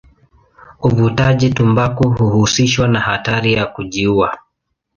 Uvutaji tumbaku huhusishwa na hatari ya kujiua.